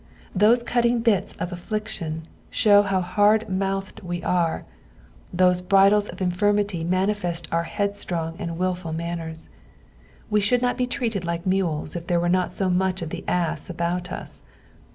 Those cutting bits of affliction show how hard mouthed wo are, those bridles of infirmity manifest our headstrong and wilful manners. We should not be treated like mules if there was not so much of the ass about us.